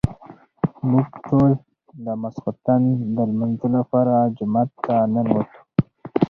موږ ټول د ماسخوتن د لمانځه لپاره جومات ته ننوتو.